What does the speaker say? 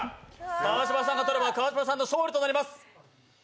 川島さんがとれば川島さんの勝利となります。